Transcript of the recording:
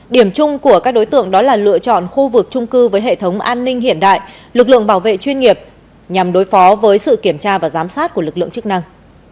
điểm chung của các đối tượng đó là lựa chọn khu vực trung cư với hệ thống an ninh hiện đại lực lượng bảo vệ chuyên nghiệp nhằm đối phó với sự kiểm tra và giám sát của lực lượng chức năng